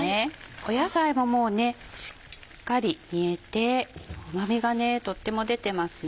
野菜がもうしっかり煮えて旨味がとっても出てますね。